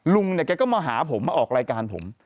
ลุงเนี่ยแกก็มาหาผมมาออกรายการผม